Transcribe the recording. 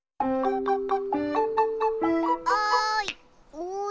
おい！